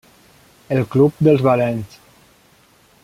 El club dels valents.